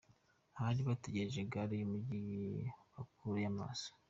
Abari bategereje Gare y’Umujyi bakureyo amaso